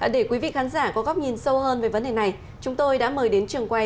để quý vị khán giả có góc nhìn sâu hơn về vấn đề này chúng tôi đã mời đến trường quay